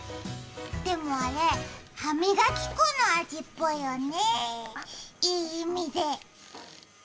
でも、あれ歯磨き粉の味っぽいよね、いい意味で。